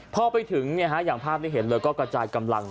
พอไปถึงอย่างภาพที่เห็นเลยก็กระจายกำลัง